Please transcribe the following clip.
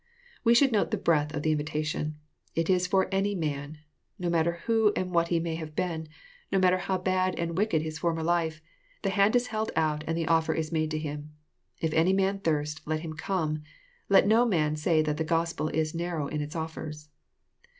We should note the breadth of the Invitation. It is for " any man." No matter who aud what he may have been, — no matter how bad and wiclsed his formerjife, — the hand is held out, and the offer made to Him :—" If any man thirst, let him come. liCt no man say that theXjrospel is narrow in its offers.